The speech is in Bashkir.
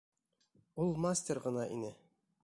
Ул мастер ғына ине.